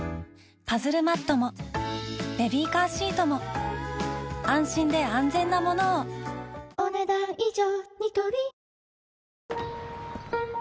パズルマットもベビーカーシートも安心で安全なものをお、ねだん以上。